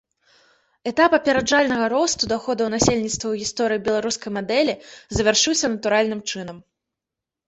Этап апераджальнага росту даходаў насельніцтва ў гісторыі беларускай мадэлі завяршыўся натуральным чынам.